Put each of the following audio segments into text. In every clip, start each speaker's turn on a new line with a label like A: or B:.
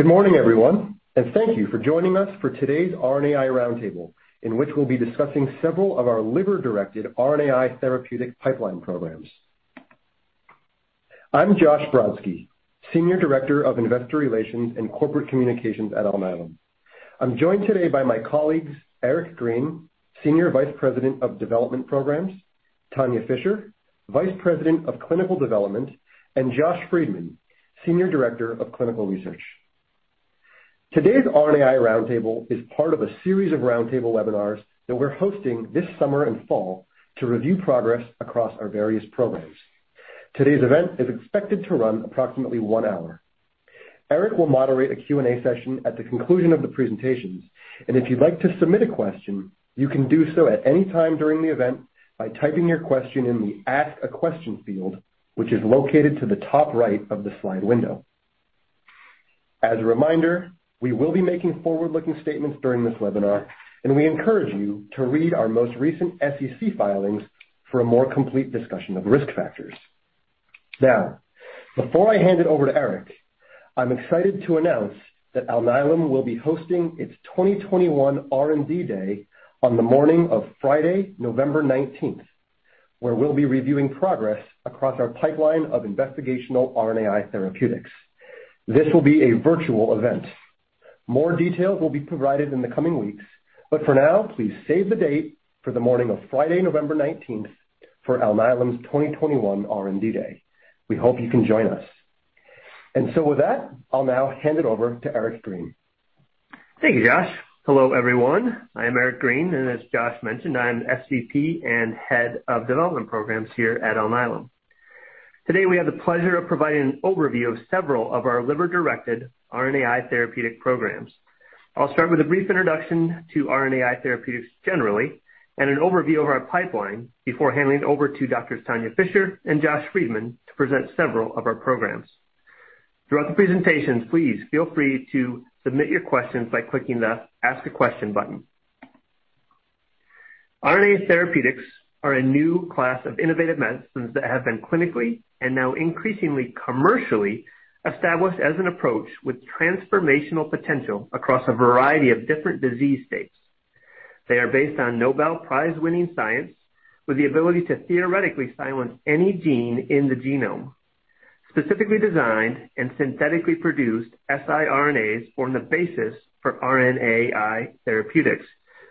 A: Good morning, everyone, and thank you for joining us for today's RNAi Roundtable, in which we'll be discussing several of our liver-directed RNAi therapeutic pipeline programs. I'm Joshua Brodsky, Senior Director of Investor Relations and Corporate Communications at Alnylam. I'm joined today by my colleagues, Eric Green, Senior Vice President of Development Programs, Tanya Fischer, Vice President of Clinical Development, and Joshua Friedman, Senior Director of Clinical Research. Today's RNAi Roundtable is part of a series of roundtable webinars that we're hosting this summer and fall to review progress across our various programs. Today's event is expected to run approximately one hour. Eric will moderate a Q&A session at the conclusion of the presentations, and if you'd like to submit a question, you can do so at any time during the event by typing your question in the Ask a Question field, which is located to the top right of the slide window. As a reminder, we will be making forward-looking statements during this webinar, and we encourage you to read our most recent SEC filings for a more complete discussion of risk factors. Now, before I hand it over to Eric, I'm excited to announce that Alnylam will be hosting its 2021 R&D Day on the morning of Friday, November 19, where we'll be reviewing progress across our pipeline of investigational RNAi therapeutics. This will be a virtual event. More details will be provided in the coming weeks, but for now, please save the date for the morning of Friday, November 19th, for Alnylam's 2021 R&D Day. We hope you can join us. And so with that, I'll now hand it over to Eric Green.
B: Thank you, Josh. Hello, everyone. I am Eric Green, and as Josh mentioned, I'm SVP and Head of Development Programs here at Alnylam. Today, we have the pleasure of providing an overview of several of our liver-directed RNAi therapeutic programs. I'll start with a brief introduction to RNAi therapeutics generally and an overview of our pipeline before handing it over to Dr. Tanya Fischer and Joshua Friedman to present several of our programs. Throughout the presentations, please feel free to submit your questions by clicking the Ask a Question button. RNAi therapeutics are a new class of innovative medicines that have been clinically and now increasingly commercially established as an approach with transformational potential across a variety of different disease states. They are based on Nobel Prize-winning science with the ability to theoretically silence any gene in the genome. Specifically designed and synthetically produced siRNAs form the basis for RNAi therapeutics,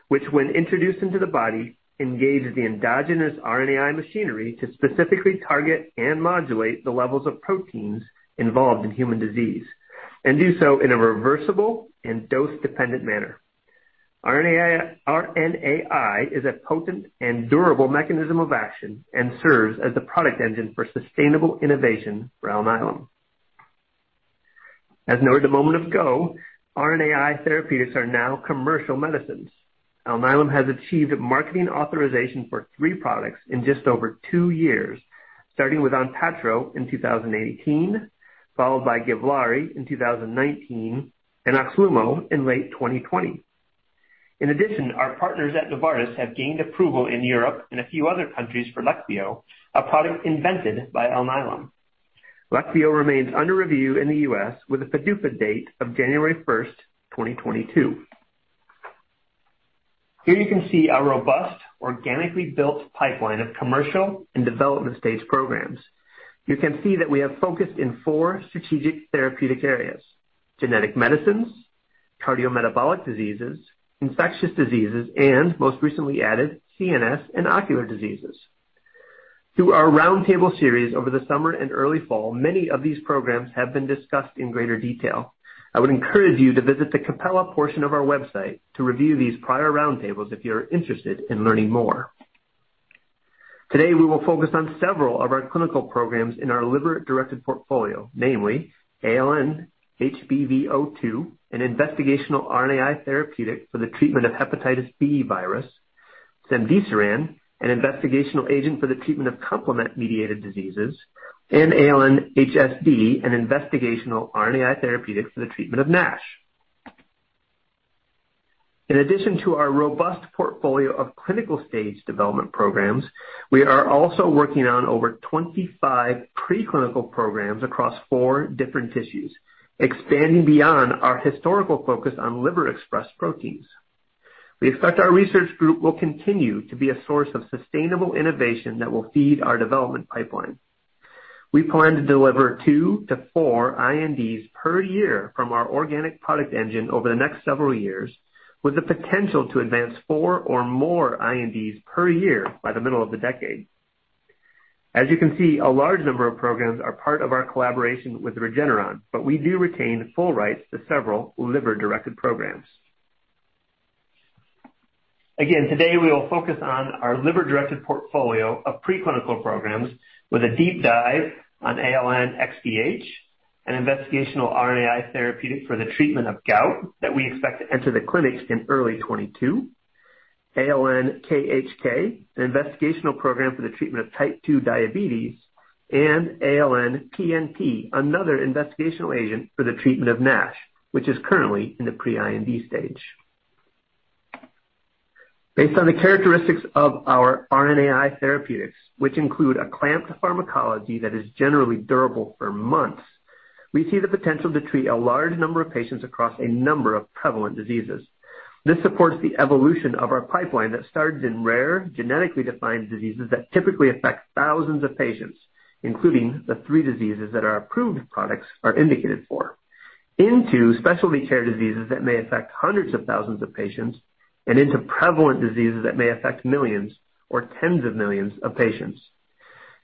B: which, when introduced into the body, engage the endogenous RNAi machinery to specifically target and modulate the levels of proteins involved in human disease and do so in a reversible and dose-dependent manner. RNAi is a potent and durable mechanism of action and serves as the product engine for sustainable innovation for Alnylam. As noted a moment ago, RNAi therapeutics are now commercial medicines. Alnylam has achieved marketing authorization for three products in just over two years, starting with ONPATTRO in 2018, followed by GIVLAARI in 2019, and OXLUMO in late 2020. In addition, our partners at Novartis have gained approval in Europe and a few other countries for Leqvio, a product invented by Alnylam. Leqvio remains under review in the U.S. with a PDUFA date of January 1, 2022. Here you can see a robust, organically built pipeline of commercial and development stage programs. You can see that we have focused in four strategic therapeutic areas: genetic medicines, cardiometabolic diseases, infectious diseases, and most recently added CNS and ocular diseases. Through our roundtable series over the summer and early fall, many of these programs have been discussed in greater detail. I would encourage you to visit the Capella portion of our website to review these prior roundtables if you're interested in learning more. Today, we will focus on several of our clinical programs in our liver-directed portfolio, namely ALN-HBV02, an investigational RNAi therapeutic for the treatment of hepatitis B virus, cemdisiran, an investigational agent for the treatment of complement-mediated diseases, and ALN-HSD, an investigational RNAi therapeutic for the treatment of NASH. In addition to our robust portfolio of clinical stage development programs, we are also working on over 25 preclinical programs across four different tissues, expanding beyond our historical focus on liver-expressed proteins. We expect our research group will continue to be a source of sustainable innovation that will feed our development pipeline. We plan to deliver two to four INDs per year from our organic product engine over the next several years, with the potential to advance four or more INDs per year by the middle of the decade. As you can see, a large number of programs are part of our collaboration with Regeneron, but we do retain full rights to several liver-directed programs. Again, today we will focus on our liver-directed portfolio of preclinical programs with a deep dive on ALN-XDH, an investigational RNAi therapeutic for the treatment of gout that we expect to enter the clinics in early 2022. ALN-KHK, an investigational program for the treatment of type 2 diabetes, and ALN-PNP, another investigational agent for the treatment of NASH, which is currently in the pre-IND stage. Based on the characteristics of our RNAi therapeutics, which include a clamped pharmacology that is generally durable for months, we see the potential to treat a large number of patients across a number of prevalent diseases. This supports the evolution of our pipeline that starts in rare, genetically defined diseases that typically affect thousands of patients, including the three diseases that our approved products are indicated for, into specialty care diseases that may affect hundreds of thousands of patients, and into prevalent diseases that may affect millions or tens of millions of patients.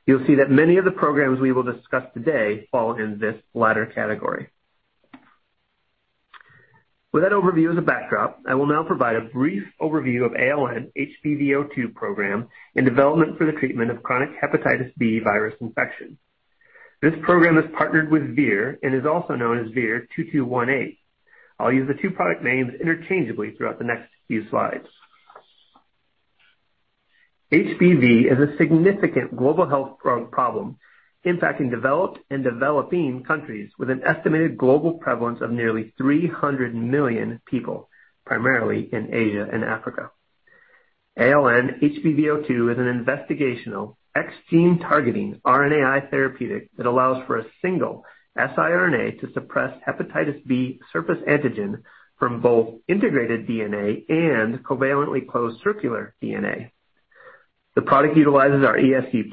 B: You'll see that many of the programs we will discuss today fall in this latter category. With that overview as a backdrop, I will now provide a brief overview of ALN-HBV02 program in development for the treatment of chronic hepatitis B virus infection. This program is partnered with Vir and is also known as VIR-2218. I'll use the two product names interchangeably throughout the next few slides. HBV is a significant global health problem impacting developed and developing countries with an estimated global prevalence of nearly 300 million people, primarily in Asia and Africa. ALN-HBV02 is an investigational, GalNAc-targeting RNAi therapeutic that allows for a single siRNA to suppress hepatitis B surface antigen from both integrated DNA and covalently closed circular DNA. The product utilizes our ESC+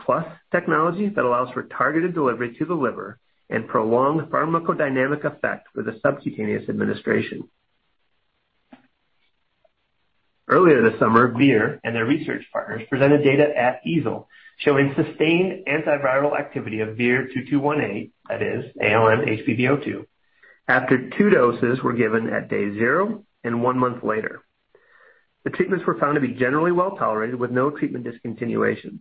B: technology that allows for targeted delivery to the liver and prolonged pharmacodynamic effect with a subcutaneous administration. Earlier this summer, Vir and their research partners presented data at EASL showing sustained antiviral activity of VIR-2218, that is ALN-HBV02, after two doses were given at day zero and one month later. The treatments were found to be generally well tolerated with no treatment discontinuations.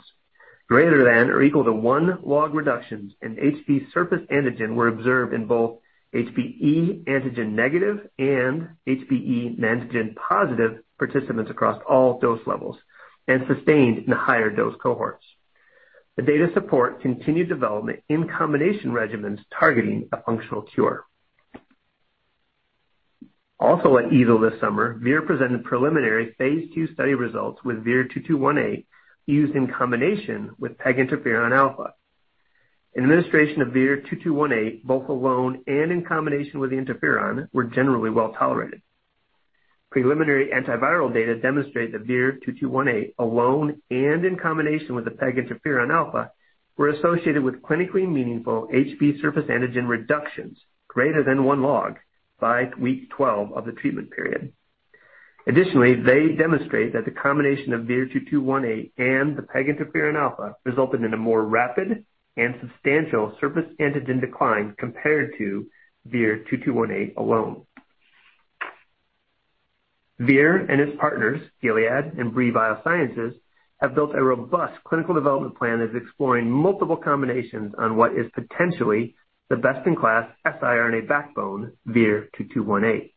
B: Greater than or equal to one log reduction in HB surface antigen were observed in both HBe antigen negative and HBe antigen positive participants across all dose levels and sustained in the higher dose cohorts. The data support continued development in combination regimens targeting a functional cure. Also at EASL this summer, Vir presented preliminary phase II study results with VIR-2218 used in combination with PEG interferon alpha. Administration of VIR-2218 both alone and in combination with the interferon were generally well tolerated. Preliminary antiviral data demonstrate that VIR-2218 alone and in combination with the PEG interferon alpha were associated with clinically meaningful HB surface antigen reductions greater than one log by week 12 of the treatment period. Additionally, they demonstrate that the combination of VIR-2218 and the PEG interferon alpha resulted in a more rapid and substantial surface antigen decline compared to VIR-2218 alone. Vir and its partners, Gilead and Brii Biosciences, have built a robust clinical development plan that is exploring multiple combinations on what is potentially the best-in-class siRNA backbone VIR-2218.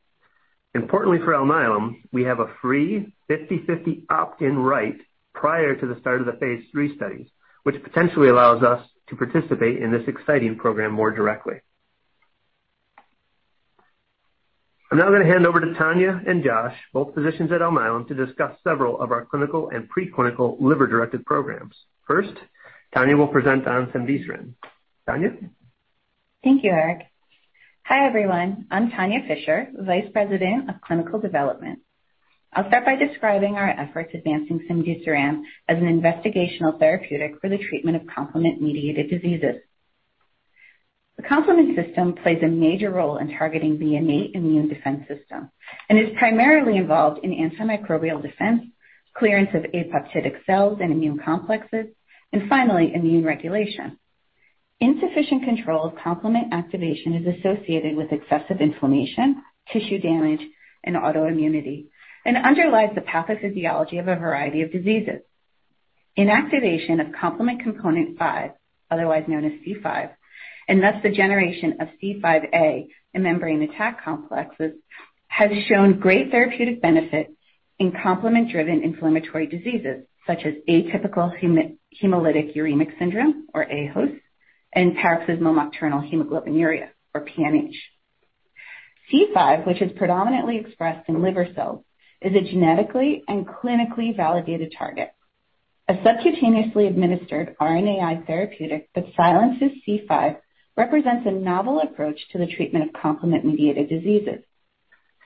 B: Importantly for Alnylam, we have a free 50/50 opt-in right prior to the start of the phase III studies, which potentially allows us to participate in this exciting program more directly. I'm now going to hand over to Tanya and Josh, both physicians at Alnylam, to discuss several of our clinical and preclinical liver-directed programs. First, Tanya will present on cemdisiran. Tanya.
C: Thank you, Eric. Hi, everyone. I'm Tanya Fischer, Vice President of Clinical Development. I'll start by describing our efforts advancing cemdisiran as an investigational therapeutic for the treatment of complement-mediated diseases. The complement system plays a major role in targeting the innate immune defense system and is primarily involved in antimicrobial defense, clearance of apoptotic cells and immune complexes, and finally, immune regulation. Insufficient control of complement activation is associated with excessive inflammation, tissue damage, and autoimmunity and underlies the pathophysiology of a variety of diseases. Inactivation of complement component 5, otherwise known as C5, and thus the generation of C5a and membrane attack complexes has shown great therapeutic benefit in complement-driven inflammatory diseases such as atypical hemolytic uremic syndrome, or aHUS, and paroxysmal nocturnal hemoglobinuria, or PNH. C5, which is predominantly expressed in liver cells, is a genetically and clinically validated target. A subcutaneously administered RNAi therapeutic that silences C5 represents a novel approach to the treatment of complement-mediated diseases.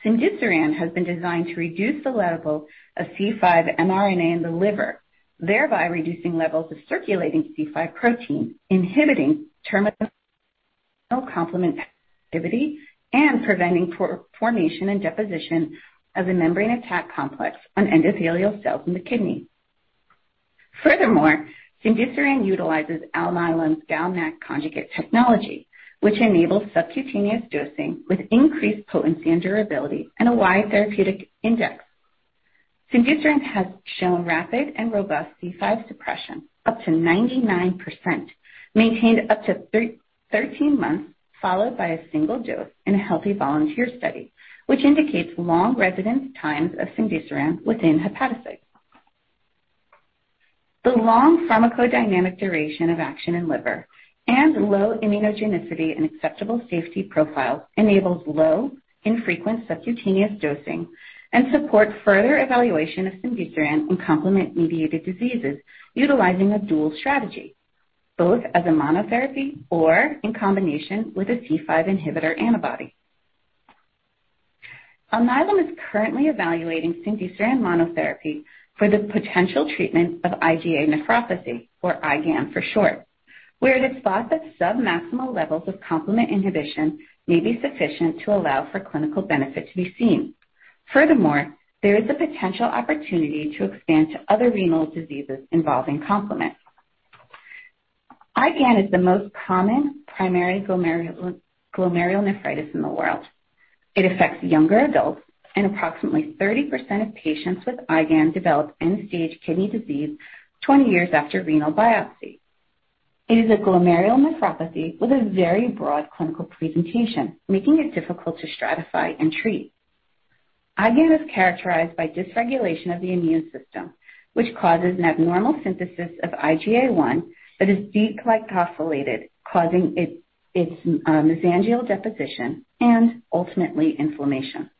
C: Cemdisiran has been designed to reduce the level of C5 mRNA in the liver, thereby reducing levels of circulating C5 protein, inhibiting terminal complement activity, and preventing formation and deposition of the membrane attack complex on endothelial cells in the kidney. Furthermore, cemdisiran utilizes Alnylam's GalNAc conjugate technology, which enables subcutaneous dosing with increased potency and durability and a wide therapeutic index. Cemdisiran has shown rapid and robust C5 suppression, up to 99%, maintained up to 13 months followed by a single dose in a healthy volunteer study, which indicates long residence times of cemdisiran within hepatocytes. The long pharmacodynamic duration of action in liver and low immunogenicity and acceptable safety profile enables low, infrequent subcutaneous dosing and support further evaluation of cemdisiran in complement-mediated diseases utilizing a dual strategy, both as a monotherapy or in combination with a C5 inhibitor antibody. Alnylam is currently evaluating cemdisiran monotherapy for the potential treatment of IgA nephropathy, or IgAN for short, where it is thought that submaximal levels of complement inhibition may be sufficient to allow for clinical benefit to be seen. Furthermore, there is a potential opportunity to expand to other renal diseases involving complement. IgAN is the most common primary glomerulonephritis in the world. It affects younger adults, and approximately 30% of patients with IgAN develop end-stage kidney disease 20 years after renal biopsy. It is a glomerulonephritis with a very broad clinical presentation, making it difficult to stratify and treat. IgAN is characterized by dysregulation of the immune system, which causes an abnormal synthesis of IgA1 that is deeply phosphorylated, causing its mesangial deposition and ultimately inflammation.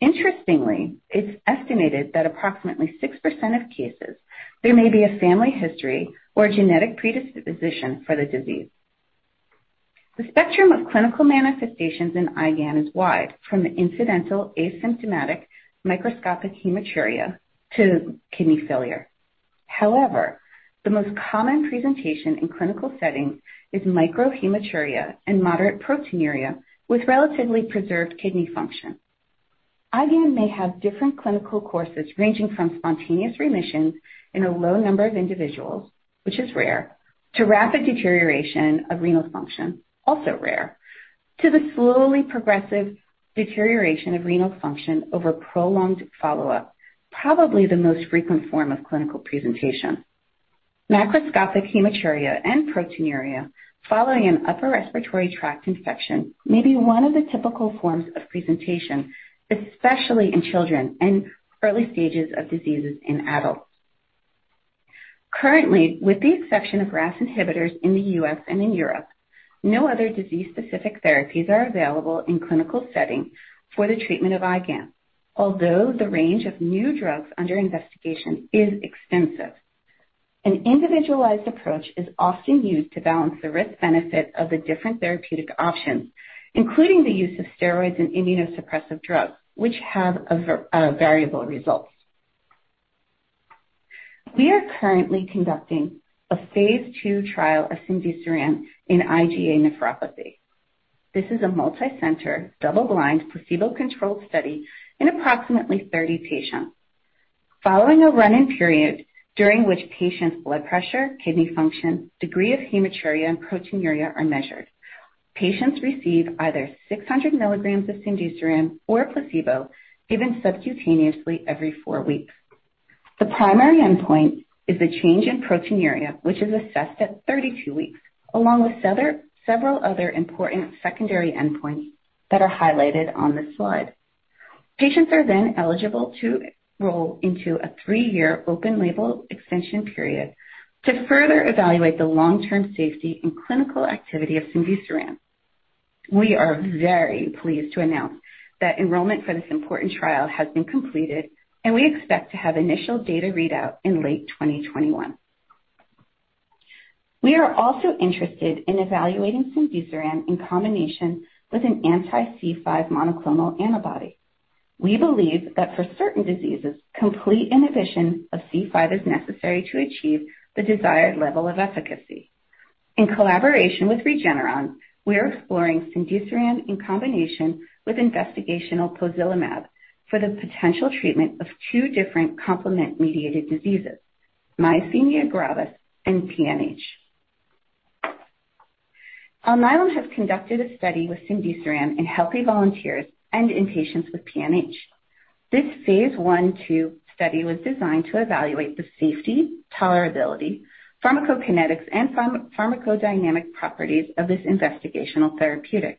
C: Interestingly, it's estimated that approximately 6% of cases, there may be a family history or genetic predisposition for the disease. The spectrum of clinical manifestations in IgAN is wide, from incidental asymptomatic microscopic hematuria to kidney failure. However, the most common presentation in clinical settings is microhematuria and moderate proteinuria with relatively preserved kidney function. IgAN may have different clinical courses ranging from spontaneous remissions in a low number of individuals, which is rare, to rapid deterioration of renal function, also rare, to the slowly progressive deterioration of renal function over prolonged follow-up, probably the most frequent form of clinical presentation. Macroscopic hematuria and proteinuria following an upper respiratory tract infection may be one of the typical forms of presentation, especially in children and early stages of diseases in adults. Currently, with the exception of RAS inhibitors in the U.S. and in Europe, no other disease-specific therapies are available in clinical settings for the treatment of IgAN, although the range of new drugs under investigation is extensive. An individualized approach is often used to balance the risk-benefit of the different therapeutic options, including the use of steroids and immunosuppressive drugs, which have variable results. We are currently conducting a phase II trial of cemdisiran in IgA nephropathy. This is a multi-center, double-blind, placebo-controlled study in approximately 30 patients. Following a run-in period during which patients' blood pressure, kidney function, degree of hematuria, and proteinuria are measured, patients receive either 600 milligrams of cemdisiran or placebo given subcutaneously every four weeks. The primary endpoint is the change in proteinuria, which is assessed at 32 weeks, along with several other important secondary endpoints that are highlighted on this slide. Patients are then eligible to enroll into a three-year open-label extension period to further evaluate the long-term safety and clinical activity of cemdisiran. We are very pleased to announce that enrollment for this important trial has been completed, and we expect to have initial data readout in late 2021. We are also interested in evaluating cemdisiran in combination with an anti-C5 monoclonal antibody. We believe that for certain diseases, complete inhibition of C5 is necessary to achieve the desired level of efficacy. In collaboration with Regeneron, we are exploring cemdisiran in combination with investigational pozelimab for the potential treatment of two different complement-mediated diseases, myasthenia gravis and PNH. Alnylam has conducted a study with cemdisiran in healthy volunteers and in patients with PNH. This phase I/II study was designed to evaluate the safety, tolerability, pharmacokinetics, and pharmacodynamic properties of this investigational therapeutic.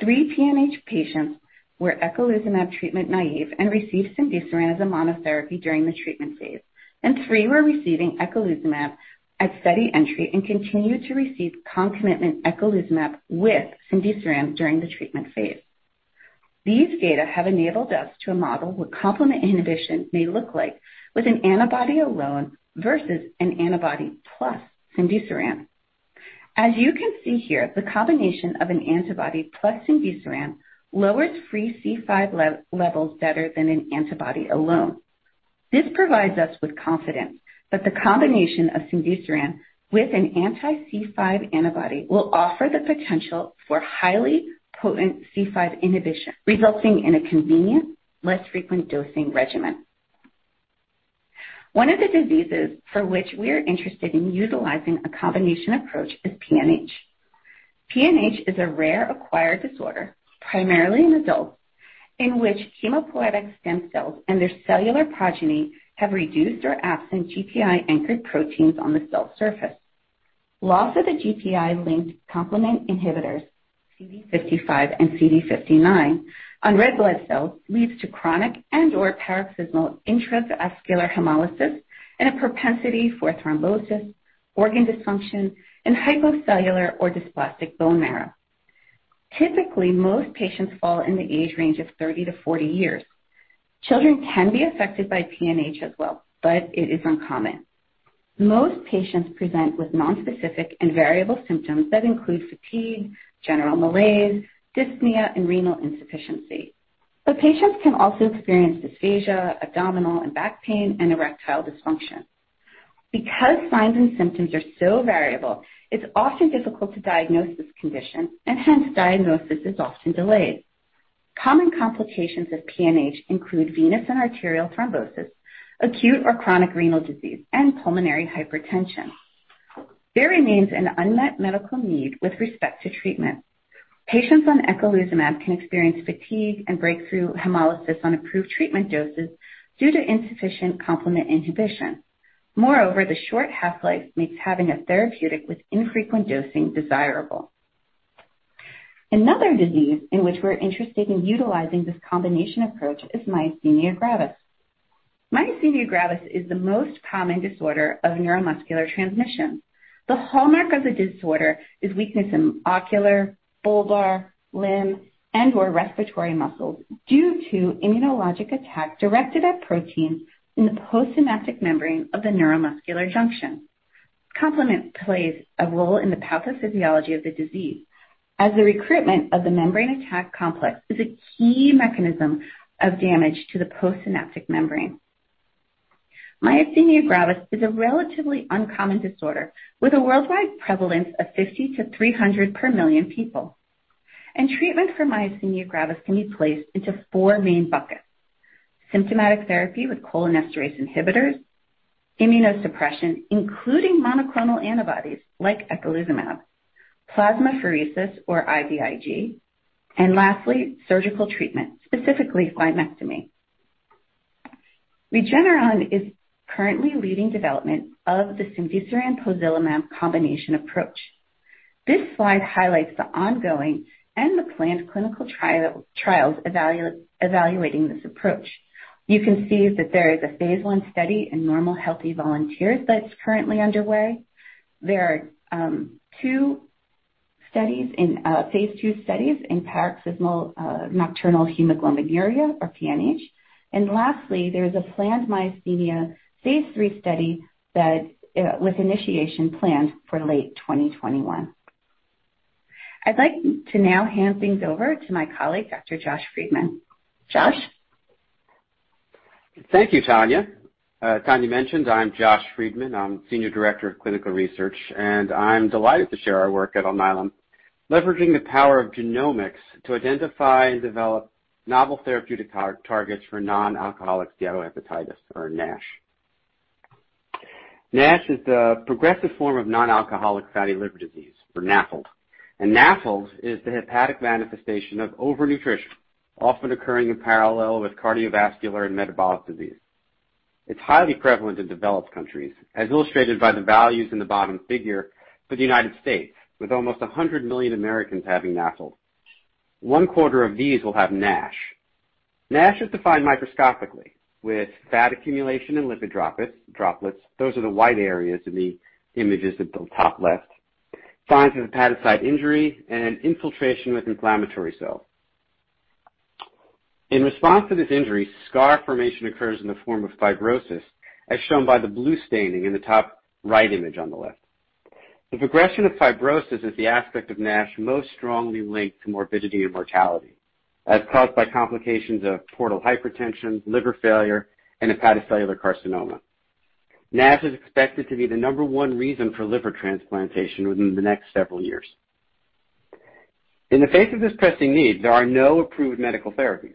C: Three PNH patients were eculizumab treatment naive and received cemdisiran as a monotherapy during the treatment phase, and three were receiving eculizumab at study entry and continued to receive concomitant eculizumab with cemdisiran during the treatment phase. These data have enabled us to model what complement inhibition may look like with an antibody alone versus an antibody plus cemdisiran. As you can see here, the combination of an antibody plus cemdisiran lowers free C5 levels better than an antibody alone. This provides us with confidence that the combination of cemdisiran with an anti-C5 antibody will offer the potential for highly potent C5 inhibition, resulting in a convenient, less frequent dosing regimen. One of the diseases for which we are interested in utilizing a combination approach is PNH. PNH is a rare acquired disorder, primarily in adults, in which hematopoietic stem cells and their cellular progeny have reduced or absent GPI-anchored proteins on the cell surface. Loss of the GPI-linked complement inhibitors CD55 and CD59 on red blood cells leads to chronic and/or paroxysmal intravascular hemolysis and a propensity for thrombosis, organ dysfunction, and hypocellular or dysplastic bone marrow. Typically, most patients fall in the age range of 30 to 40 years. Children can be affected by PNH as well, but it is uncommon. Most patients present with nonspecific and variable symptoms that include fatigue, general malaise, dyspnea, and renal insufficiency. But patients can also experience dysphagia, abdominal and back pain, and erectile dysfunction. Because signs and symptoms are so variable, it's often difficult to diagnose this condition, and hence diagnosis is often delayed. Common complications of PNH include venous and arterial thrombosis, acute or chronic renal disease, and pulmonary hypertension. There remains an unmet medical need with respect to treatment. Patients on eculizumab can experience fatigue and breakthrough hemolysis on approved treatment doses due to insufficient complement inhibition. Moreover, the short half-life makes having a therapeutic with infrequent dosing desirable. Another disease in which we're interested in utilizing this combination approach is myasthenia gravis. Myasthenia gravis is the most common disorder of neuromuscular transmission. The hallmark of the disorder is weakness in ocular, bulbar, limb, and/or respiratory muscles due to immunologic attack directed at proteins in the postsynaptic membrane of the neuromuscular junction. Complement plays a role in the pathophysiology of the disease, as the recruitment of the membrane attack complex is a key mechanism of damage to the postsynaptic membrane. Myasthenia gravis is a relatively uncommon disorder with a worldwide prevalence of 50-300 per million people. Treatment for myasthenia gravis can be placed into four main buckets: symptomatic therapy with cholinesterase inhibitors, immunosuppression, including monoclonal antibodies like eculizumab, plasmapheresis or IVIG, and lastly, surgical treatment, specifically thymectomy. Regeneron is currently leading development of the cemdisiran-pozelimab combination approach. This slide highlights the ongoing and the planned clinical trials evaluating this approach. You can see that there is a phase I study in normal healthy volunteers that's currently underway. There are two phase II studies in paroxysmal nocturnal hemoglobinuria or PNH. Lastly, there is a planned myasthenia phase III study with initiation planned for late 2021. I'd like to now hand things over to my colleague, Dr. Joshua Friedman. Josh?
D: Thank you, Tanya. Tanya mentioned I'm Josh Friedman. I'm Senior Director of clinical research, and I'm delighted to share our work at Alnylam, leveraging the power of genomics to identify and develop novel therapeutic targets for non-alcoholic steatohepatitis, or NASH. NASH is the progressive form of non-alcoholic fatty liver disease, or NAFLD, and NAFLD is the hepatic manifestation of overnutrition, often occurring in parallel with cardiovascular and metabolic disease. It's highly prevalent in developed countries, as illustrated by the values in the bottom figure for the United States, with almost 100 million Americans having NAFLD. One quarter of these will have NASH. NASH is defined microscopically with fat accumulation and lipid droplets. Those are the white areas in the images at the top left. Findings of hepatocyte injury and infiltration with inflammatory cells. In response to this injury, scar formation occurs in the form of fibrosis, as shown by the blue staining in the top right image on the left. The progression of fibrosis is the aspect of NASH most strongly linked to morbidity and mortality, as caused by complications of portal hypertension, liver failure, and hepatocellular carcinoma. NASH is expected to be the number one reason for liver transplantation within the next several years. In the face of this pressing need, there are no approved medical therapies.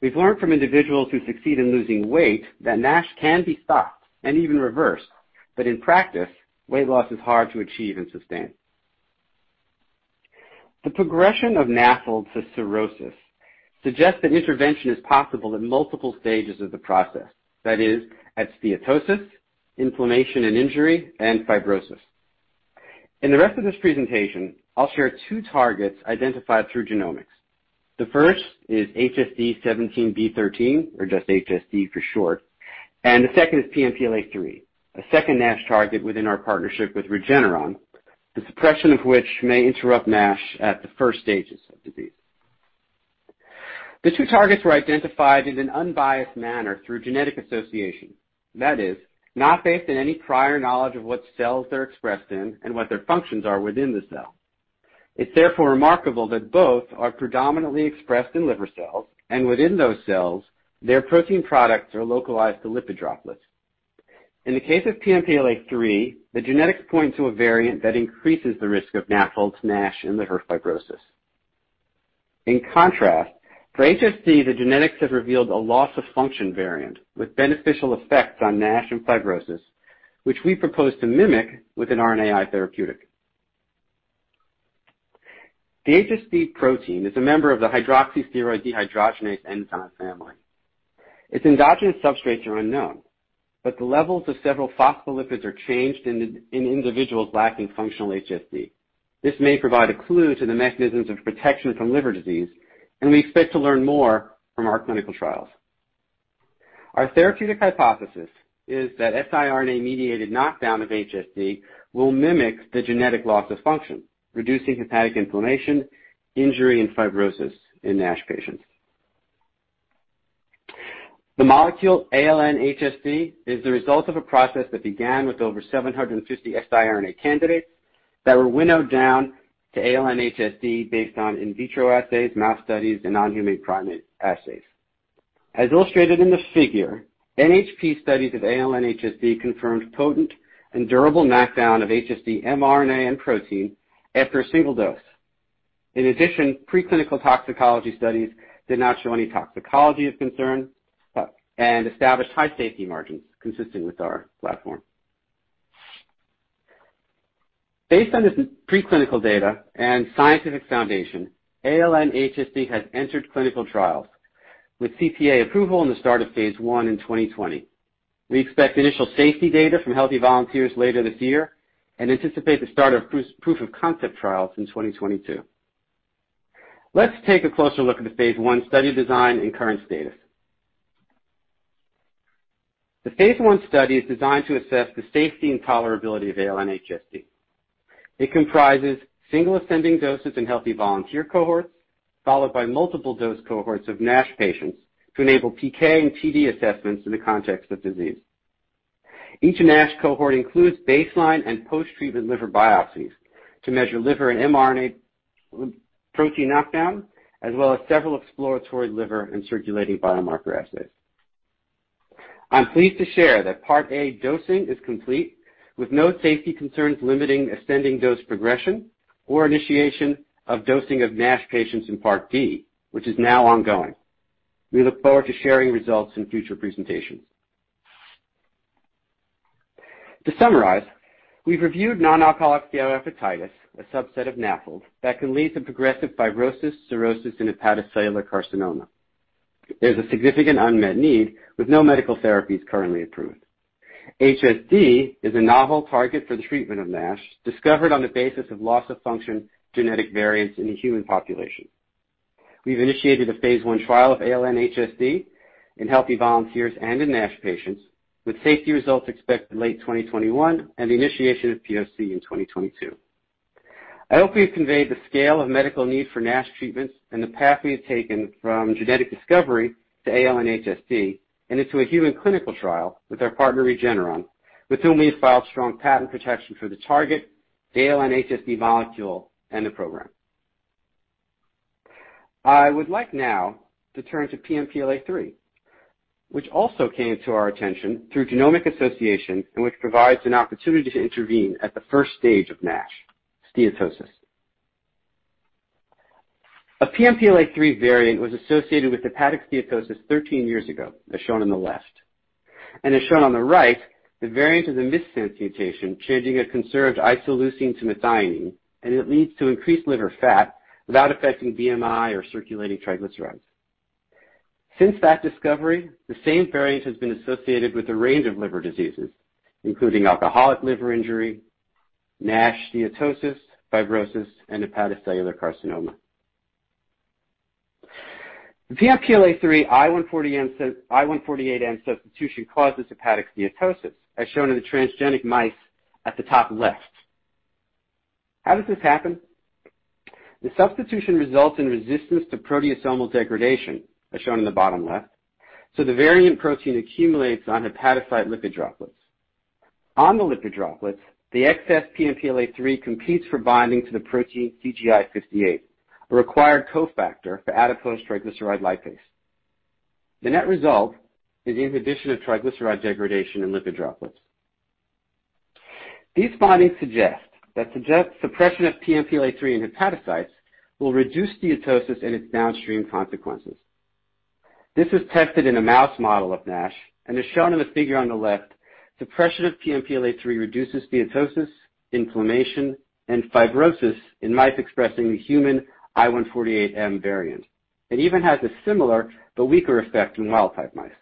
D: We've learned from individuals who succeed in losing weight that NASH can be stopped and even reversed, but in practice, weight loss is hard to achieve and sustain. The progression of NAFLD to cirrhosis suggests that intervention is possible at multiple stages of the process, that is, at steatosis, inflammation and injury, and fibrosis. In the rest of this presentation, I'll share two targets identified through genomics. The first is HSD17B13, or just HSD for short, and the second is PNPLA3, a second NASH target within our partnership with Regeneron, the suppression of which may interrupt NASH at the first stages of disease. The two targets were identified in an unbiased manner through genetic association. That is, not based on any prior knowledge of what cells they're expressed in and what their functions are within the cell. It's therefore remarkable that both are predominantly expressed in liver cells, and within those cells, their protein products are localized to lipid droplets. In the case of PNPLA3, the genetics point to a variant that increases the risk of NAFLD, NASH, and liver fibrosis. In contrast, for HSD, the genetics have revealed a loss-of-function variant with beneficial effects on NASH and fibrosis, which we propose to mimic with an RNAi therapeutic. The HSD protein is a member of the hydroxysteroid dehydrogenase enzyme family. Its endogenous substrates are unknown, but the levels of several phospholipids are changed in individuals lacking functional HSD. This may provide a clue to the mechanisms of protection from liver disease, and we expect to learn more from our clinical trials. Our therapeutic hypothesis is that siRNA-mediated knockdown of HSD will mimic the genetic loss of function, reducing hepatic inflammation, injury, and fibrosis in NASH patients. The molecule ALN-HSD is the result of a process that began with over 750 siRNA candidates that were winnowed down to ALN-HSD based on in vitro assays, mouse studies, and non-human primate assays. As illustrated in the figure, NHP studies of ALN-HSD confirmed potent and durable knockdown of HSD mRNA and protein after a single dose. In addition, preclinical toxicology studies did not show any toxicology of concern and established high safety margins consistent with our platform. Based on this preclinical data and scientific foundation, ALN-HSD has entered clinical trials with CTA approval in the start of phase I in 2020. We expect initial safety data from healthy volunteers later this year and anticipate the start of proof-of-concept trials in 2022. Let's take a closer look at the phase I study design and current status. The phase I study is designed to assess the safety and tolerability of ALN-HSD. It comprises single ascending doses in healthy volunteer cohorts, followed by multiple dose cohorts of NASH patients to enable PK and PD assessments in the context of disease. Each NASH cohort includes baseline and post-treatment liver biopsies to measure liver and mRNA protein knockdown, as well as several exploratory liver and circulating biomarker assays. I'm pleased to share that part A dosing is complete with no safety concerns limiting ascending dose progression or initiation of dosing of NASH patients in part B, which is now ongoing. We look forward to sharing results in future presentations. To summarize, we've reviewed non-alcoholic steatohepatitis, a subset of NAFLD that can lead to progressive fibrosis, cirrhosis, and hepatocellular carcinoma. There's a significant unmet need with no medical therapies currently approved. HSD is a novel target for the treatment of NASH, discovered on the basis of loss-of-function genetic variants in the human population. We've initiated a phase I trial of ALN-HSD in healthy volunteers and in NASH patients, with safety results expected late 2021 and the initiation of POC in 2022. I hope we've conveyed the scale of medical need for NASH treatments and the path we've taken from genetic discovery to ALN-HSD and into a human clinical trial with our partner Regeneron, with whom we have filed strong patent protection for the target, ALN-HSD molecule, and the program. I would like now to turn to PNPLA3, which also came to our attention through genomic association and which provides an opportunity to intervene at the first stage of NASH, steatosis. A PNPLA3 variant was associated with hepatic steatosis 13 years ago, as shown on the left, and as shown on the right, the variant of the missense mutation changing a conserved isoleucine to methionine, and it leads to increased liver fat without affecting BMI or circulating triglycerides. Since that discovery, the same variant has been associated with a range of liver diseases, including alcoholic liver injury, NASH steatosis, fibrosis, and hepatocellular carcinoma. The PNPLA3 I148M substitution causes hepatic steatosis, as shown in the transgenic mice at the top left. How does this happen? The substitution results in resistance to proteasomal degradation, as shown in the bottom left. So the variant protein accumulates on hepatocyte lipid droplets. On the lipid droplets, the excess PNPLA3 competes for binding to the protein CGI58, a required cofactor for adipose triglyceride lipase. The net result is inhibition of triglyceride degradation in lipid droplets. These findings suggest that suppression of PNPLA3 in hepatocytes will reduce steatosis and its downstream consequences. This is tested in a mouse model of NASH, and as shown in the figure on the left, suppression of PNPLA3 reduces steatosis, inflammation, and fibrosis in mice expressing the human I148M variant. It even has a similar but weaker effect in wild-type mice.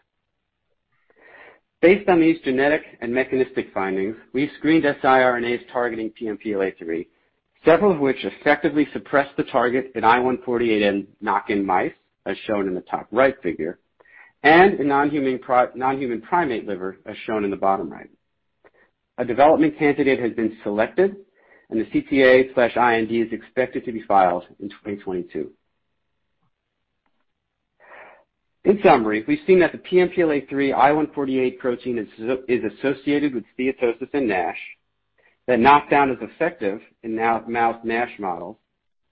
D: Based on these genetic and mechanistic findings, we've screened siRNAs targeting PNPLA3, several of which effectively suppressed the target in I148M knock-in mice, as shown in the top right figure, and in non-human primate liver, as shown in the bottom right. A development candidate has been selected, and the CTA/IND is expected to be filed in 2022. In summary, we've seen that the PNPLA3 I148 protein is associated with steatosis and NASH, that knockdown is effective in mouse NASH models,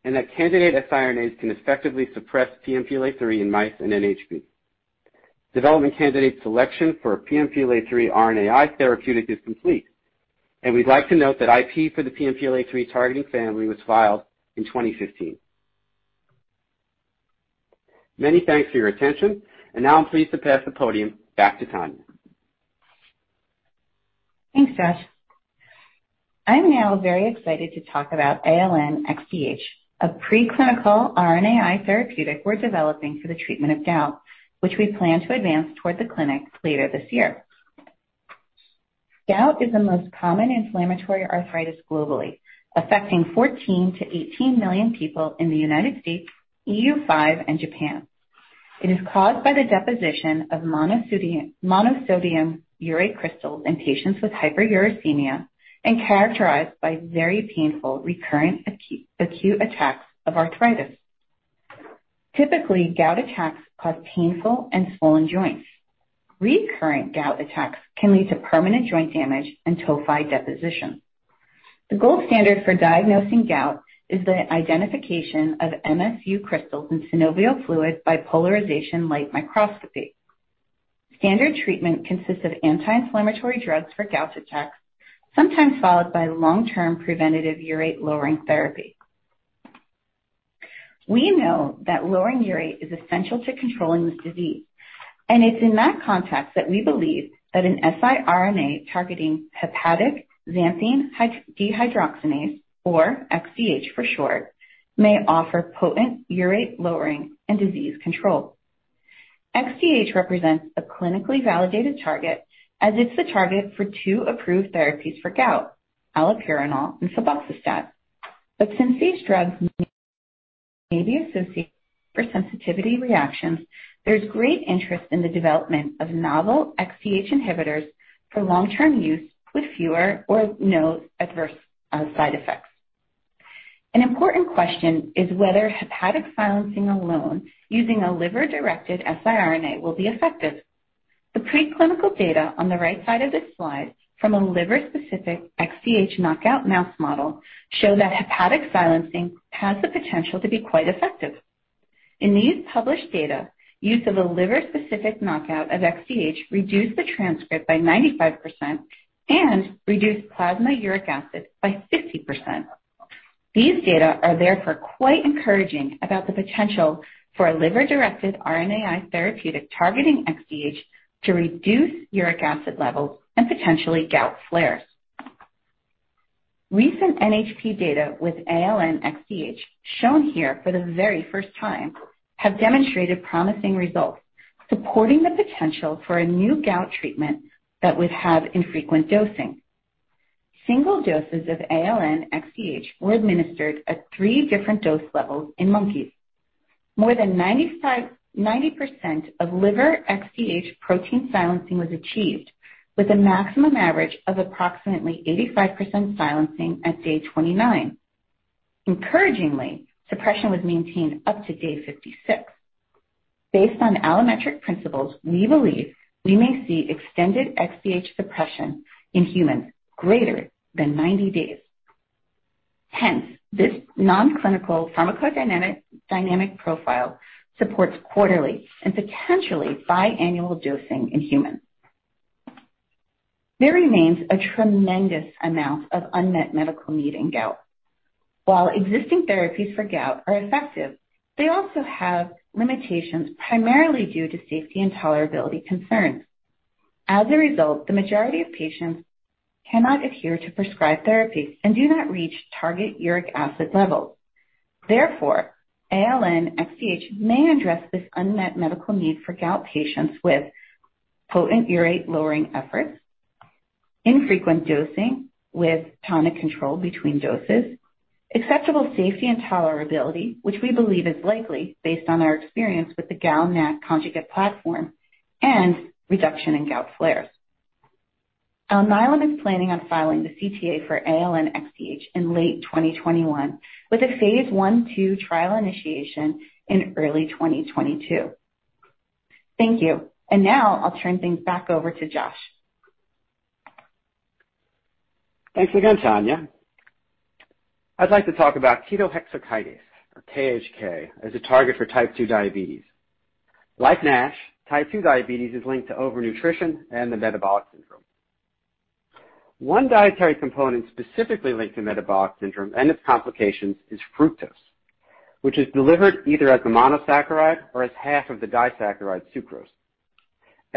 D: and that candidate siRNAs can effectively suppress PNPLA3 in mice and NHP. Development candidate selection for a PNPLA3 RNAi therapeutic is complete, and we'd like to note that IP for the PNPLA3 targeting family was filed in 2015. Many thanks for your attention, and now I'm pleased to pass the podium back to Tanya.
C: Thanks, Josh. I'm now very excited to talk about ALN-XDH, a preclinical RNAi therapeutic we're developing for the treatment of gout, which we plan to advance toward the clinic later this year. Gout is the most common inflammatory arthritis globally, affecting 14-18 million people in the United States, EU-5, and Japan. It is caused by the deposition of monosodium urate crystals in patients with hyperuricemia and characterized by very painful recurrent acute attacks of arthritis. Typically, gout attacks cause painful and swollen joints. Recurrent gout attacks can lead to permanent joint damage and tophi deposition. The gold standard for diagnosing gout is the identification of MSU crystals in synovial fluid by polarized light microscopy. Standard treatment consists of anti-inflammatory drugs for gout attacks, sometimes followed by long-term preventative urate-lowering therapy. We know that lowering urate is essential to controlling this disease, and it's in that context that we believe that an siRNA targeting hepatic xanthine dehydrogenase, or XDH for short, may offer potent urate-lowering and disease control. XDH represents a clinically validated target, as it's the target for two approved therapies for gout, allopurinol and febuxostat. But since these drugs may be associated with hypersensitivity reactions, there's great interest in the development of novel XDH inhibitors for long-term use with fewer or no adverse side effects. An important question is whether hepatic silencing alone using a liver-directed siRNA will be effective. The preclinical data on the right side of this slide from a liver-specific XDH knockout mouse model show that hepatic silencing has the potential to be quite effective. In these published data, use of a liver-specific knockout of XDH reduced the transcript by 95% and reduced plasma uric acid by 50%. These data are therefore quite encouraging about the potential for a liver-directed RNAi therapeutic targeting XDH to reduce uric acid levels and potentially gout flares. Recent NHP data with ALN-XDH, shown here for the very first time, have demonstrated promising results, supporting the potential for a new gout treatment that would have infrequent dosing. Single doses of ALN-XDH were administered at three different dose levels in monkeys. More than 90% of liver XDH protein silencing was achieved, with a maximum average of approximately 85% silencing at day 29. Encouragingly, suppression was maintained up to day 56. Based on allometric principles, we believe we may see extended XDH suppression in humans greater than 90 days. Hence, this non-clinical pharmacodynamic profile supports quarterly and potentially biannual dosing in humans. There remains a tremendous amount of unmet medical need in gout. While existing therapies for gout are effective, they also have limitations primarily due to safety and tolerability concerns. As a result, the majority of patients cannot adhere to prescribed therapies and do not reach target uric acid levels. Therefore, ALN-XDH may address this unmet medical need for gout patients with potent urate-lowering efforts, infrequent dosing with tonic control between doses, acceptable safety and tolerability, which we believe is likely based on our experience with the GalNAc conjugate platform, and reduction in gout flares. Alnylam is planning on filing the CTA for ALN-XDH in late 2021, with a phase I-II trial initiation in early 2022. Thank you. And now I'll turn things back over to Josh.
D: Thanks again, Tanya. I'd like to talk about ketohexokinase, or KHK, as a target for type 2 diabetes. Like NASH, type 2 diabetes is linked to overnutrition and the metabolic syndrome. One dietary component specifically linked to metabolic syndrome and its complications is fructose, which is delivered either as a monosaccharide or as half of the disaccharide sucrose.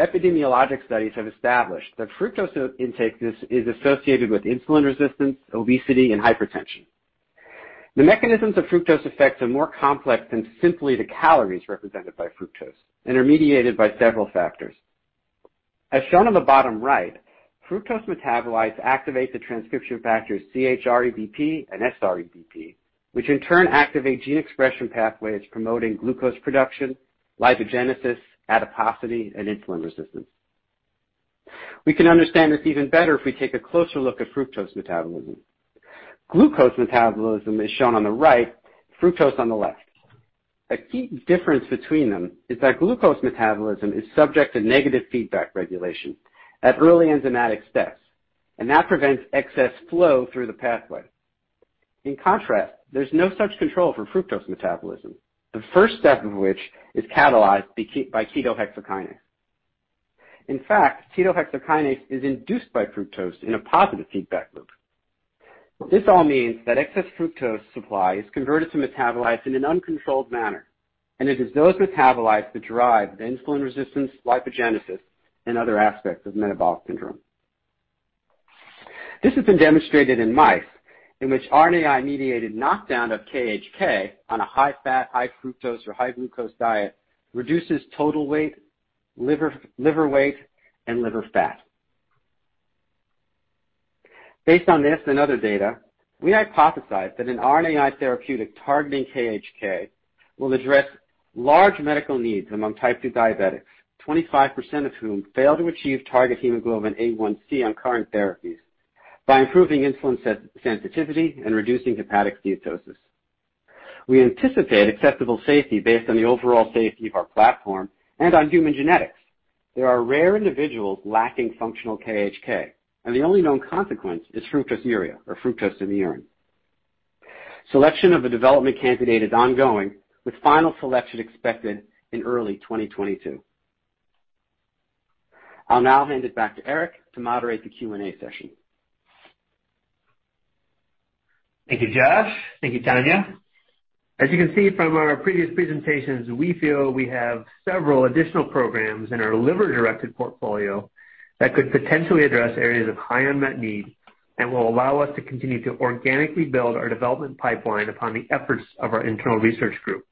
D: Epidemiologic studies have established that fructose intake is associated with insulin resistance, obesity, and hypertension. The mechanisms of fructose effects are more complex than simply the calories represented by fructose and are mediated by several factors. As shown on the bottom right, fructose metabolites activate the transcription factors ChREBP and SREBP, which in turn activate gene expression pathways promoting glucose production, lipogenesis, adiposity, and insulin resistance. We can understand this even better if we take a closer look at fructose metabolism. Glucose metabolism is shown on the right, fructose on the left. A key difference between them is that glucose metabolism is subject to negative feedback regulation at early enzymatic steps, and that prevents excess flow through the pathway. In contrast, there's no such control for fructose metabolism, the first step of which is catalyzed by ketohexokinase. In fact, ketohexokinase is induced by fructose in a positive feedback loop. This all means that excess fructose supply is converted to metabolites in an uncontrolled manner, and it is those metabolites that drive the insulin resistance, lipogenesis, and other aspects of metabolic syndrome. This has been demonstrated in mice, in which RNAi-mediated knockdown of KHK on a high-fat, high-fructose, or high-glucose diet reduces total weight, liver weight, and liver fat. Based on this and other data, we hypothesize that an RNAi therapeutic targeting KHK will address large medical needs among type 2 diabetics, 25% of whom fail to achieve target hemoglobin A1c on current therapies by improving insulin sensitivity and reducing hepatic steatosis. We anticipate acceptable safety based on the overall safety of our platform and on human genetics. There are rare individuals lacking functional KHK, and the only known consequence is fructosuria, or fructose in the urine. Selection of the development candidate is ongoing, with final selection expected in early 2022. I'll now hand it back to Eric to moderate the Q&A session.
B: Thank you, Josh. Thank you, Tanya. As you can see from our previous presentations, we feel we have several additional programs in our liver-directed portfolio that could potentially address areas of high unmet need and will allow us to continue to organically build our development pipeline upon the efforts of our internal research group.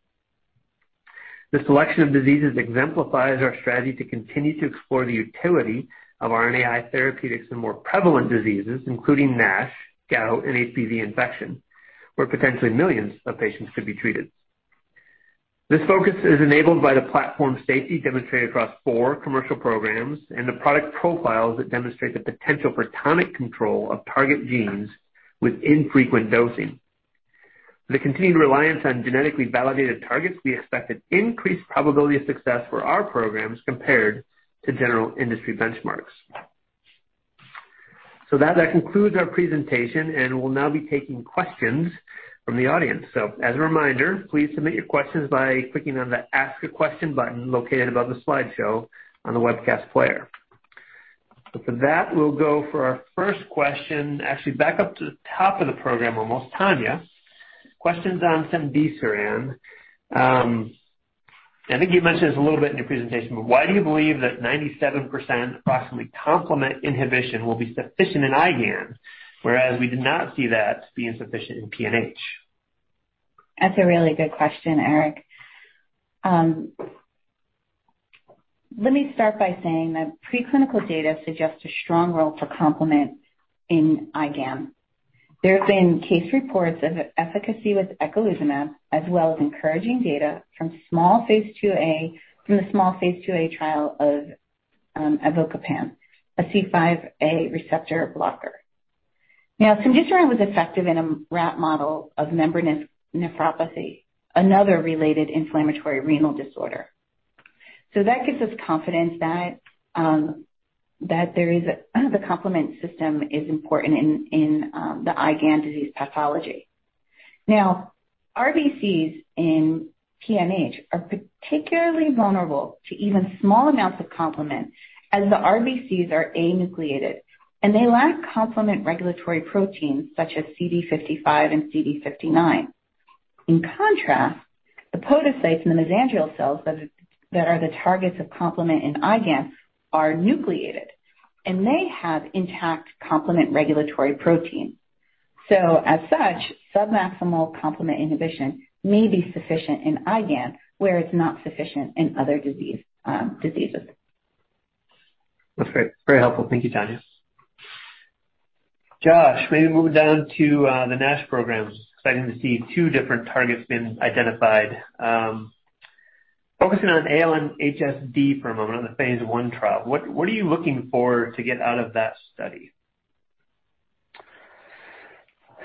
B: The selection of diseases exemplifies our strategy to continue to explore the utility of RNAi therapeutics in more prevalent diseases, including NASH, gout, and HBV infection, where potentially millions of patients could be treated. This focus is enabled by the platform's safety demonstrated across four commercial programs and the product profiles that demonstrate the potential for tonic control of target genes with infrequent dosing. The continued reliance on genetically validated targets, we expect, an increased probability of success for our programs compared to general industry benchmarks. So that concludes our presentation, and we'll now be taking questions from the audience. As a reminder, please submit your questions by clicking on the Ask a Question button located above the slideshow on the webcast player. For that, we'll go for our first question, actually back up to the top of the program almost, Tanya. Questions on cemdisiran. I think you mentioned this a little bit in your presentation, but why do you believe that approximately 97% complement inhibition will be sufficient in IgA, whereas we did not see that being sufficient in PNH?
C: That's a really good question, Eric. Let me start by saying that preclinical data suggests a strong role for complement in IgA. There have been case reports of efficacy with eculizumab, as well as encouraging data from the small phase II-A trial of avacopan, a C5a receptor blocker. Now, cemdisiran was effective in a rat model of membranous nephropathy, another related inflammatory renal disorder. So that gives us confidence that the complement system is important in the IgA disease pathology. Now, RBCs in PNH are particularly vulnerable to even small amounts of complement, as the RBCs are anucleated, and they lack complement regulatory proteins such as CD55 and CD59. In contrast, the podocytes and the mesangial cells that are the targets of complement in IgA are nucleated, and they have intact complement regulatory protein. So as such, submaximal complement inhibition may be sufficient in IgA, where it's not sufficient in other diseases.
B: That's great. Very helpful. Thank you, Tanya. Josh, maybe moving down to the NASH programs. Exciting to see two different targets being identified. Focusing on ALN-HSD for a moment on the phase I trial. What are you looking for to get out of that study?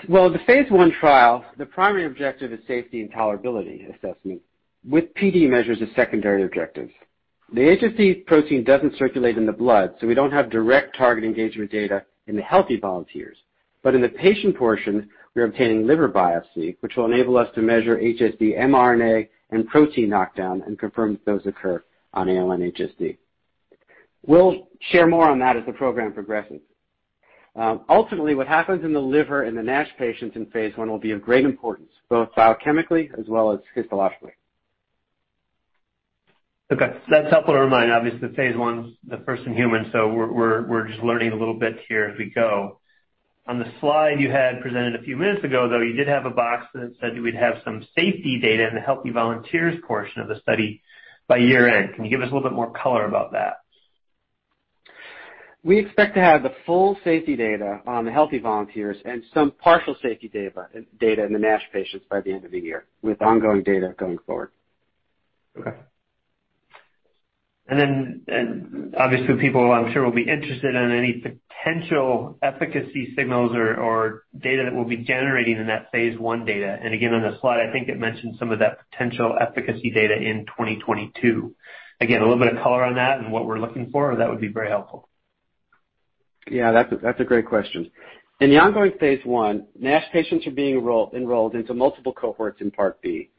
D: The phase I trial, the primary objective is safety and tolerability assessment, with PD measures as secondary objectives. The HSD protein doesn't circulate in the blood, so we don't have direct target engagement data in the healthy volunteers. But in the patient portion, we're obtaining liver biopsy, which will enable us to measure HSD mRNA and protein knockdown and confirm that those occur on ALN-HSD. We'll share more on that as the program progresses. Ultimately, what happens in the liver in the NASH patients in phase I will be of great importance, both biochemically as well as histologically.
B: Okay. That's helpful to remind. Obviously, the phase I's the first in humans, so we're just learning a little bit here as we go. On the slide you had presented a few minutes ago, though, you did have a box that said that we'd have some safety data in the healthy volunteers portion of the study by year-end. Can you give us a little bit more color about that?
D: We expect to have the full safety data on the healthy volunteers and some partial safety data in the NASH patients by the end of the year, with ongoing data going forward.
B: Okay. And then, obviously, people, I'm sure, will be interested in any potential efficacy signals or data that we'll be generating in that phase I data. And again, on the slide, I think it mentioned some of that potential efficacy data in 2022. Again, a little bit of color on that and what we're looking for, that would be very helpful.
D: Yeah, that's a great question. In the ongoing phase I, NASH patients are being enrolled into multiple cohorts in part B,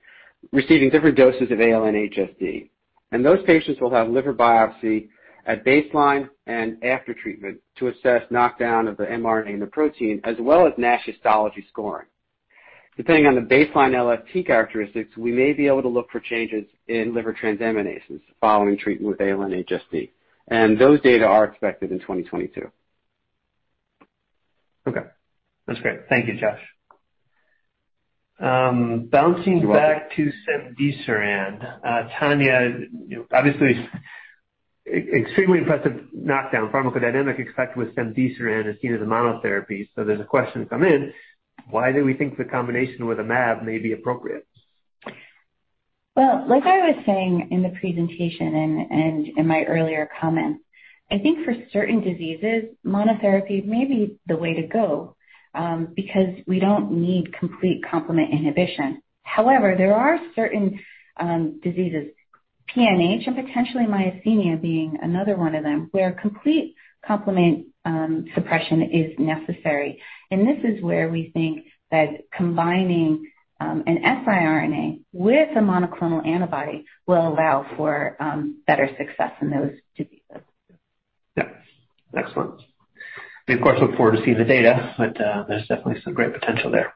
D: receiving different doses of ALN-HSD. Those patients will have liver biopsy at baseline and after treatment to assess knockdown of the mRNA and the protein, as well as NASH histology scoring. Depending on the baseline LFT characteristics, we may be able to look for changes in liver transaminases following treatment with ALN-HSD. Those data are expected in 2022.
B: Okay. That's great. Thank you, Josh. Bouncing back to cemdisiran. Tanya, obviously, extremely impressive knockdown. Pharmacodynamic effect with cemdisiran is seen as a monotherapy. So there's a question that come in. Why do we think the combination with a mAb may be appropriate?
C: Well, like I was saying in the presentation and in my earlier comments, I think for certain diseases, monotherapy may be the way to go because we don't need complete complement inhibition. However, there are certain diseases, PNH and potentially myasthenia being another one of them, where complete complement suppression is necessary. And this is where we think that combining an siRNA with a monoclonal antibody will allow for better success in those diseases.
B: Yeah. Excellent. We of course look forward to seeing the data, but there's definitely some great potential there.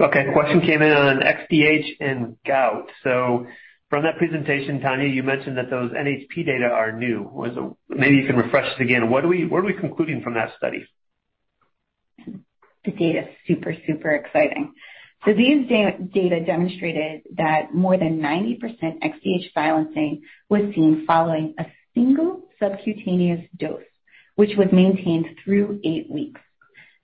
B: Okay. Question came in on XDH and gout. So from that presentation, Tanya, you mentioned that those NHP data are new. Maybe you can refresh us again. What are we concluding from that study?
C: The data is super, super exciting. These data demonstrated that more than 90% XDH silencing was seen following a single subcutaneous dose, which was maintained through eight weeks.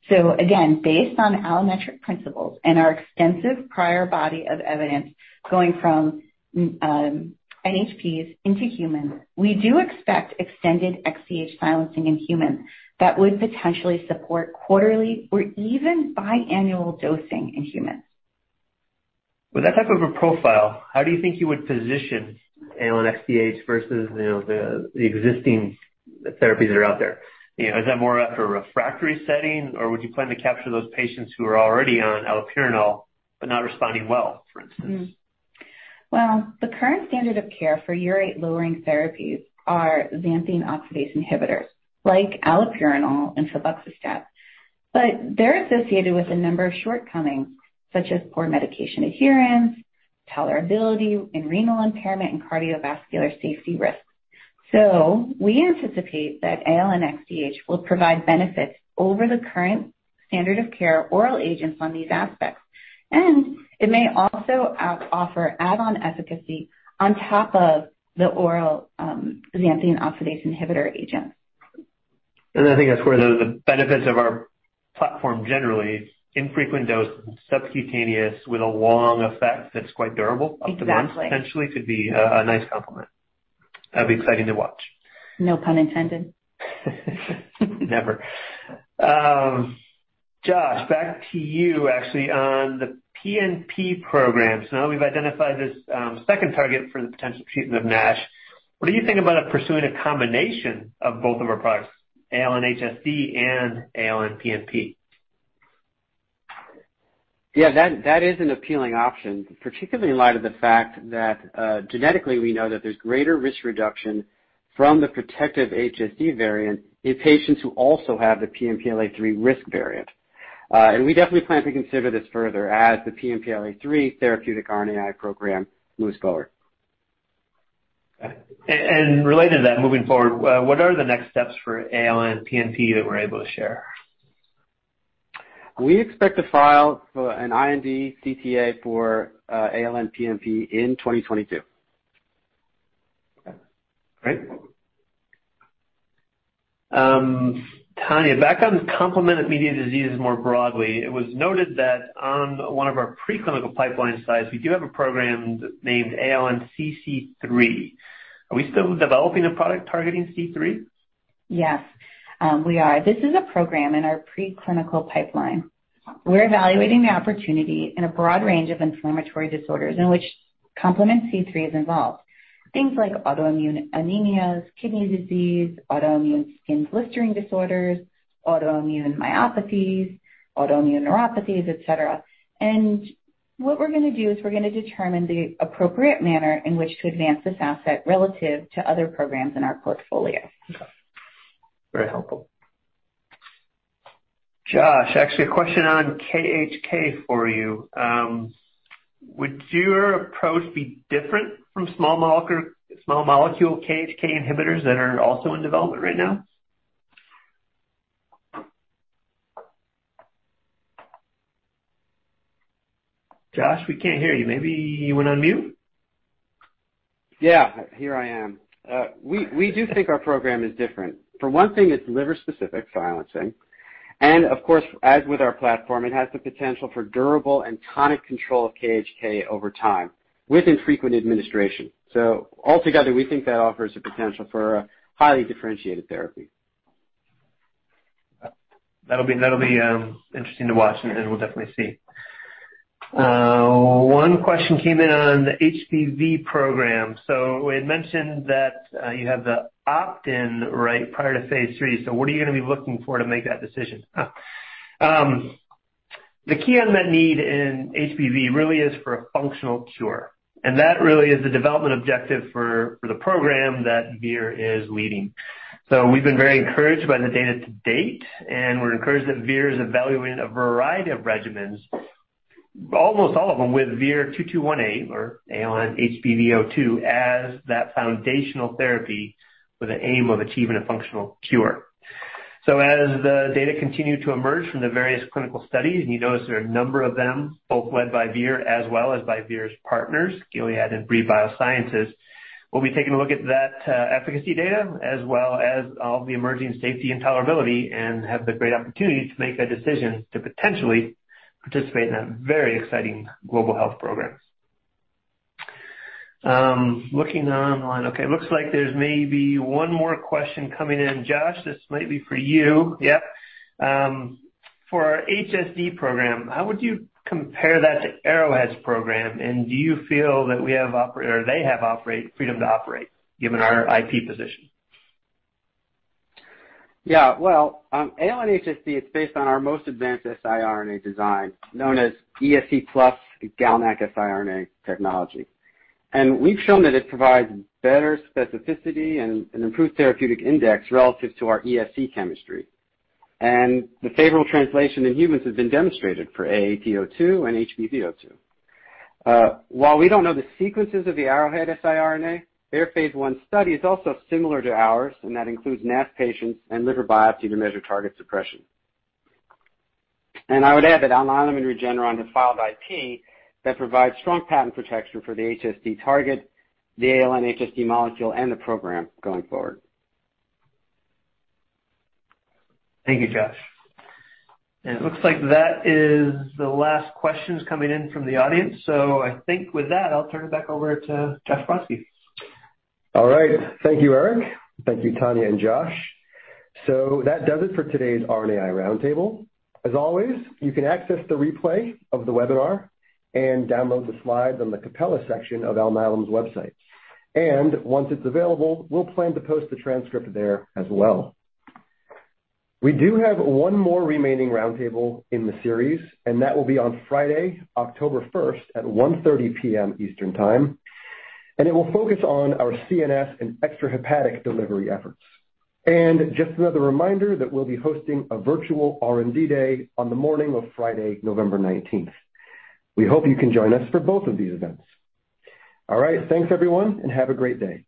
C: Again, based on allometric principles and our extensive prior body of evidence going from NHPs into humans, we do expect extended XDH silencing in humans that would potentially support quarterly or even biannual dosing in humans.
B: With that type of a profile, how do you think you would position ALN-XDH versus the existing therapies that are out there? Is that more of a refractory setting, or would you plan to capture those patients who are already on allopurinol but not responding well, for instance?
C: The current standard of care for urate-lowering therapies are xanthine oxidase inhibitors, like allopurinol and febuxostat. But they're associated with a number of shortcomings, such as poor medication adherence, tolerability, and renal impairment and cardiovascular safety risks. So we anticipate that ALN-XDH will provide benefits over the current standard of care oral agents on these aspects. And it may also offer add-on efficacy on top of the oral xanthine oxidase inhibitor agents.
B: And I think that's where the benefits of our platform generally, infrequent dose, subcutaneous with a long effect that's quite durable up to months. Exactly. Potentially could be a nice complement. That'd be exciting to watch.
C: No pun intended.
B: Never. Josh, back to you, actually, on the PNP program. So now we've identified this second target for the potential treatment of NASH. What do you think about pursuing a combination of both of our products, ALN-HSD and ALN-PNP?
D: Yeah, that is an appealing option, particularly in light of the fact that genetically we know that there's greater risk reduction from the protective HSD variant in patients who also have the PNPLA3 risk variant. We definitely plan to consider this further as the PNPLA3 therapeutic RNAi program moves forward.
B: Related to that, moving forward, what are the next steps for ALN-PNP that we're able to share?
D: We expect to file an IND CTA for ALN-PNP in 2022.
B: Okay. Great. Tanya, back on complement-mediated diseases more broadly, it was noted that on one of our preclinical pipeline slides, we do have a program named ALN-CC3. Are we still developing a product targeting C3?
C: Yes, we are. This is a program in our preclinical pipeline. We're evaluating the opportunity in a broad range of inflammatory disorders in which complement C3 is involved, things like autoimmune anemias, kidney disease, autoimmune skin blistering disorders, autoimmune myopathies, autoimmune neuropathies, etc. What we're going to do is we're going to determine the appropriate manner in which to advance this asset relative to other programs in our portfolio.
B: Okay. Very helpful. Josh, actually, a question on KHK for you. Would your approach be different from small molecule KHK inhibitors that are also in development right now? Josh, we can't hear you. Maybe you went on mute?
D: Yeah, here I am. We do think our program is different. For one thing, it's liver-specific silencing. And of course, as with our platform, it has the potential for durable and tonic control of KHK over time with infrequent administration. So altogether, we think that offers a potential for a highly differentiated therapy.
B: That'll be interesting to watch, and we'll definitely see. One question came in on the HBV program. We had mentioned that you have the opt-in right prior to phase III. So what are you going to be looking for to make that decision?
D: The key unmet need in HBV really is for a functional cure. And that really is the development objective for the program that VIR is leading. So we've been very encouraged by the data to date, and we're encouraged that VIR is evaluating a variety of regimens, almost all of them with VIR-2218 or ALN-HBV02 as that foundational therapy with the aim of achieving a functional cure. So as the data continue to emerge from the various clinical studies, and you notice there are a number of them, both led by Vir as well as by Vir's partners, Gilead and Brii Biosciences, we'll be taking a look at that efficacy data as well as all the emerging safety and tolerability and have the great opportunity to make a decision to potentially participate in that very exciting global health program.
B: Looking online. Okay. Looks like there's maybe one more question coming in. Josh, this might be for you. Yep. For our HSD program, how would you compare that to ARO-HSD program? And do you feel that we have or they have freedom to operate, given our IP position?
D: Yeah. Well, ALN-HSD, it's based on our most advanced siRNA design, known as ESC+ GalNAc siRNA technology. We've shown that it provides better specificity and an improved therapeutic index relative to our ESC chemistry. The favorable translation in humans has been demonstrated for ALN-AAT02 and ALN-HBV02. While we don't know the sequences of the ARO-HSD siRNA, their phase I study is also similar to ours, and that includes NASH patients and liver biopsy to measure target suppression. I would add that Alnylam and Regeneron have filed IP that provides strong patent protection for the HSD target, the ALN-HSD molecule, and the program going forward.
B: Thank you, Josh. It looks like that is the last questions coming in from the audience. I think with that, I'll turn it back over to Josh Brodsky.
A: All right. Thank you, Eric. Thank you, Tanya and Josh. That does it for today's RNAi Roundtable. As always, you can access the replay of the webinar and download the slides on the Capella section of Alnylam's website. And once it's available, we'll plan to post the transcript there as well. We do have one more remaining roundtable in the series, and that will be on Friday, October 1st at 1:30 P.M. Eastern Time. And it will focus on our CNS and extrahepatic delivery efforts. And just another reminder that we'll be hosting a virtual R&D Day on the morning of Friday, November 19th. We hope you can join us for both of these events. All right. Thanks, everyone, and have a great day.